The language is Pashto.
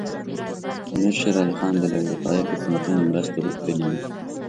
امیر شېر علي خان دې له اروپایي حکومتونو مرستې غوښتلي وي.